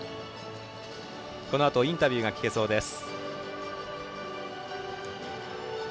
このあとインタビューが聞けそうです。